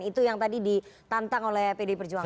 itu yang tadi ditantang oleh pd perjuangan